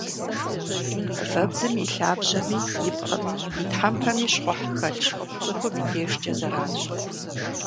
Вэбдзым и лъабжьэми, и пкъыми, и тхьэмпэми щхъухь хэлъщ, цӏыхум и дежкӏэ зэранщ.